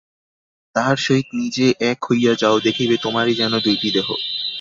তাহার সহিত নিজে এক হইয়া যাও, দেখিবে তোমারই যেন দুইটি দেহ।